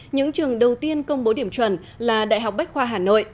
những trường đầu tiên công bố điểm chuẩn là đại học bách khoa hà nội